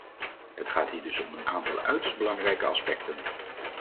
Het gaat hier dus om een aantal uiterst belangrijke aspecten.